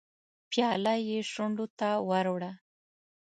پياله يې شونډو ته ور وړه.